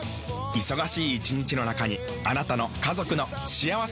忙しい一日の中にあなたの家族の幸せな時間をつくります。